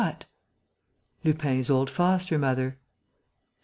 What?" "Lupin's old foster mother."